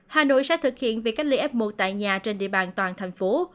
hà nội sẽ thực hiện việc cách ly f một tại nhà trên địa bàn toàn thành phố